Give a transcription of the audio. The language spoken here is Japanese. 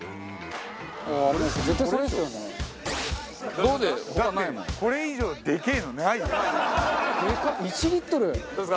どうですか？